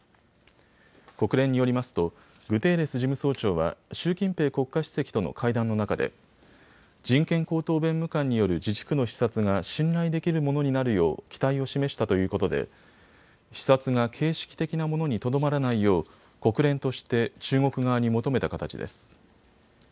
国連によりますとグテーレス事務総長は習近平国家主席との会談の中で人権高等弁務官による自治区の視察が信頼できるものになるよう期待を示したということで視察が形式的なものにとどまらないよう国連として中国側に求めた形です。